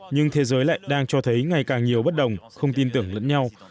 nhưng thế giới lại đang cho thấy ngày càng nhiều bất đồng không tin tưởng lẫn nhau